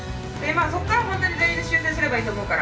そこから本当に全員で修正すればいいと思うから。